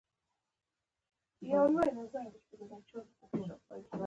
موږ د موسی علیه السلام زیارت ته ورسېدلو.